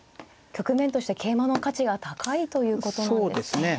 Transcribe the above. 局面として桂馬の価値が高いということなんですね。